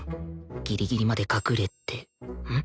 ギリギリまで隠れてん？